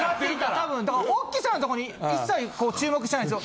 多分大きさのところに一切注目してないんですよ。